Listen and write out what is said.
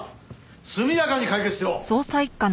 速やかに解決しろ。